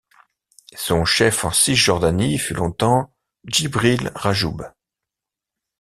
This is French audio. Son chef en Cisjordanie fut longtemps Jibril Rajoub.